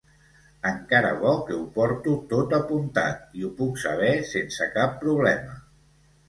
Encara bo que ho porto tot apuntat i ho puc saber sense cap problema.